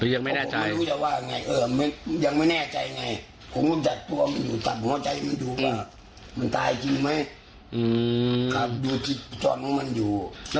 อืมอืมอืม